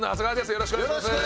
よろしくお願いします。